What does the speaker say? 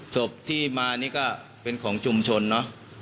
ศพที่มานี่ก็เป็นของชุมชนเนอะ